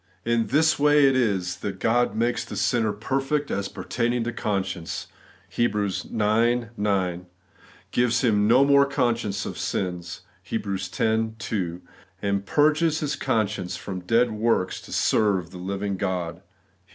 In this way it is that God makes the sinner ' perfect as pertaining to the conscience ' (Heb. ix. 9), gives him ' no more conscience of sins ' (Heb. x. 2), and 'purges his conscience from dead works to serve the living God' (Heb.